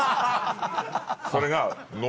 それが。